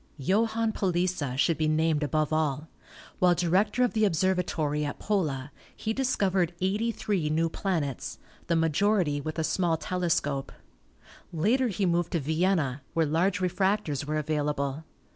Johann Palisa should be named above all. While director of the observatory at Pola he discovered 83 new planets, the majority with a THE PLANETOIDS 221 small telescope. Later he moved to Vienna, where large refractors were available.